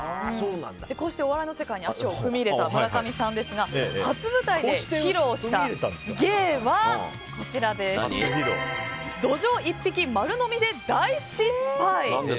こうしてお笑いの世界に足を踏み入れた村上さんですが初舞台で披露した芸がドジョウ１匹丸のみで大失敗！